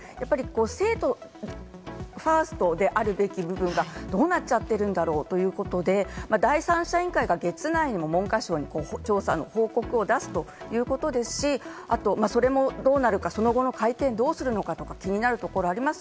生徒ファーストであるべき部分がどうなっちゃっているんだろう？ということで、第三者委員会が月内に文科省へ報告を出すということですし、それも、どうなるか、その後の会見をどうするのか、気になるところもあります。